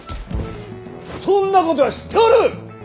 そんな事は知っておる！